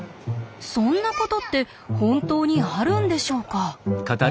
そんなことって本当にあるんでしょうか？